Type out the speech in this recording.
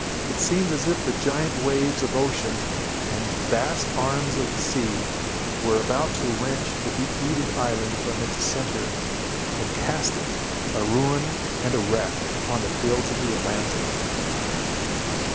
It seems as if the giant waves of ocean, and vast arms of the sea, were about to wrench the deep rooted island from its centre; and cast it, a ruin and a wreck, upon the fields of the Atlantic.